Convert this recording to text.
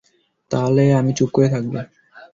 তাহলেই আমি চুপ করে থাকবো।